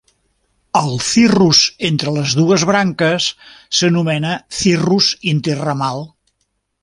El cirrus entre les dues branques s'anomena cirrus interramal.